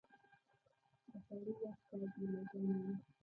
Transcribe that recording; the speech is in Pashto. د خوړو وخت باید منظم وي.